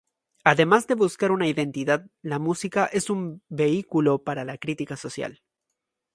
Además de buscar una identidad la música es un vehículo para la crítica social.